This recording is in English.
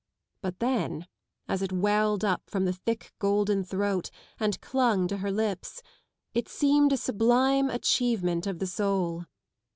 But then, as it welled up from the thick golden throat and clung to her lips, it seemed a sublime achievement of the soul.